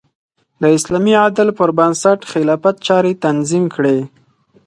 د اسلامي عدل پر بنسټ خلافت چارې تنظیم کړې.